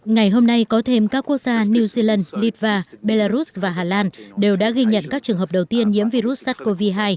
ngày hôm nay có thêm các quốc gia new zealand litva belarus và hà lan đều đã ghi nhận các trường hợp đầu tiên nhiễm virus sars cov hai